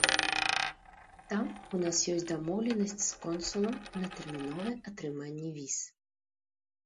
Там у нас ёсць дамоўленасць з консулам на тэрміновае атрыманне віз.